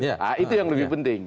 nah itu yang lebih penting